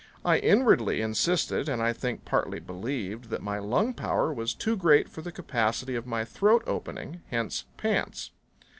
I inwardly insisted, and I think partly believed, that my lung power was too great for the capacity of my throat opening, hence pants.